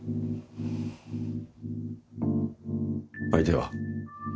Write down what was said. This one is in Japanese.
相手は？